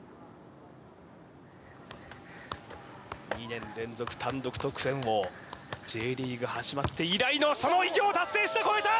２年連続単独得点王Ｊリーグ始まって以来のその偉業を達成して越えた！